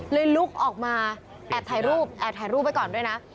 ลุกออกมาแอบถ่ายรูปแอบถ่ายรูปไว้ก่อนด้วยนะ